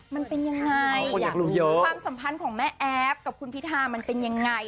มันเป็นยังไงความสัมพันธ์ของแม่แอฟกับคุณพิธามันเป็นยังไง